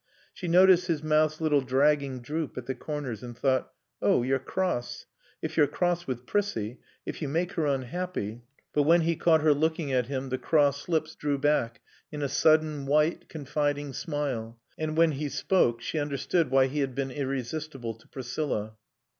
She noticed his mouth's little dragging droop at the corners and thought: "Oh, you're cross. If you're cross with Prissie if you make her unhappy" but when he caught her looking at him the cross lips drew back in a sudden, white, confiding smile. And when he spoke she understood why he had been irresistible to Priscilla.